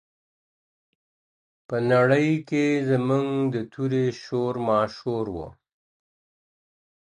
په نړۍ کي زموږ د توري شور ماشور وو.